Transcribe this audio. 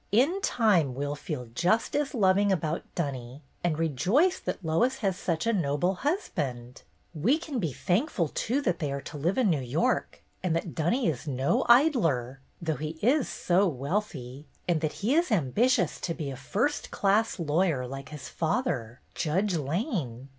In time we 'll feel just as loving about Dunny, and rejoice that Lois has such a noble husband. We can be thank ful, too, that they are to live in New York and that Dunmore is no idler, though he is so wealthy, and that he is ambitious to be 202 BETTY BAIRD'S GOLDEN YEAR a first class lawyer, like his father, Judge Lane.